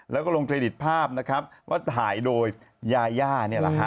แล้วก็ลงเครดิตภาพนะครับว่าถ่ายโดยยาย่านี่แหละฮะ